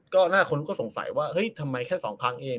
ก็หน้าคนก็สงสัยว่าเฮ้ยทำไมแค่สองครั้งเอง